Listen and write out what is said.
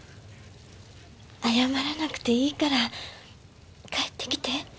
謝らなくていいから帰ってきて。